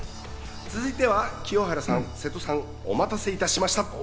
続いては清原さん、瀬戸さん、お待たせいたしました。